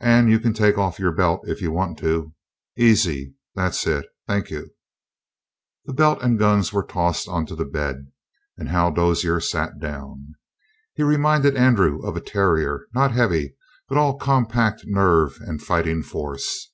"And you can take off your belt if you want to. Easy! That's it. Thank you." The belt and the guns were tossed onto the bed, and Hal Dozier sat down. He reminded Andrew of a terrier, not heavy, but all compact nerve and fighting force.